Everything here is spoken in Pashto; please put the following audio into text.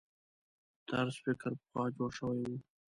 طرز فکر پخوا جوړ شوي وو.